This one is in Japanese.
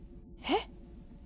えっ？